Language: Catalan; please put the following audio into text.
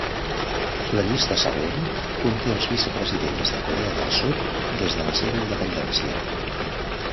La llista següent conté els vicepresidents de Corea del Sud des de la seva independència.